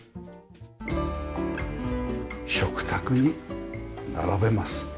食卓に並べますねえ。